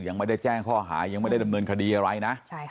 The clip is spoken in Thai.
ยังไม่ได้แจ้งข้อหายังไม่ได้ดำเนินคดีอะไรนะ